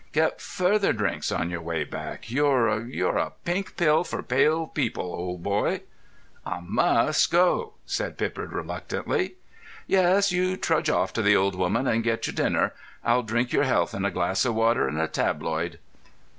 "Get further drinks on your way back. You're—you're a pink pill for pale people, old boy." "Ah must go," said Pippard reluctantly. "Yes, you trudge off to the old woman and get your dinner. I'll drink your health in a glass of water and a tabloid."